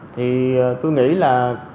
thì tôi nghĩ là